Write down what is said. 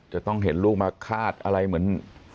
จะต้องเห็นลูกมาคาดอะไรเหมือน